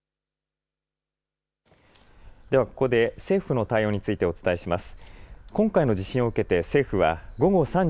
ではここで政府の対応についてお伝えします。